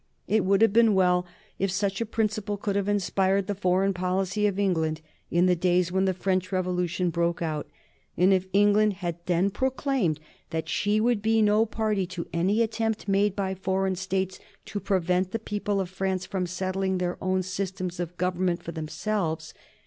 It would have been well if such a principle could have inspired the foreign policy of England in the days when the French Revolution broke out, and if England had then proclaimed that she would be no party to any attempt made by foreign States to prevent the people of France from settling their own systems of government for themselves.